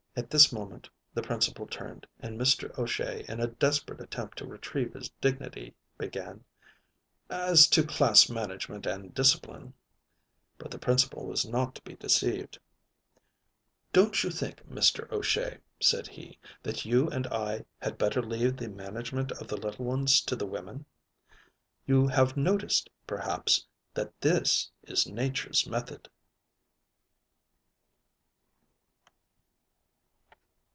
At this moment the Principal turned, and Mr. O'Shea, in a desperate attempt to retrieve his dignity, began: "As to class management and discipline " But the Principal was not to be deceived. "Don't you think, Mr. O'Shea," said he, "that you and I had better leave the management of the little ones to the women? You have noticed, perhaps, that this is Nature's method."